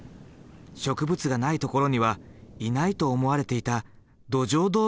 植物がないところにはいないと思われていた土壌動物がいた。